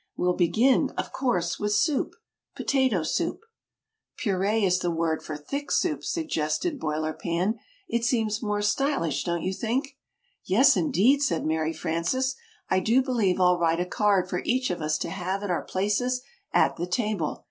We'll begin, of course, with soup Potato Soup." "'Purée' is the word for thick soups," suggested Boiler Pan. "It seems more stylish, don't you think?" "Yes, indeed!" said Mary Frances. "I do believe I'll write a card for each of us to have at our places at the table!"